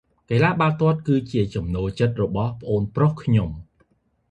កីឡាបាល់ទាត់ គឺជាចំណូលចិត្តរបស់ប្អូនប្រុសខ្ញុំ ។